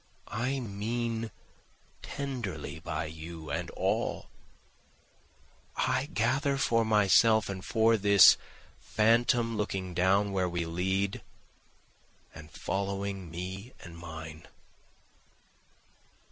I mean tenderly by you and all, I gather for myself and for this phantom looking down where we lead, and following me and mine.